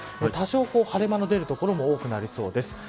多少、晴れ間の出る所も多くなりそうです。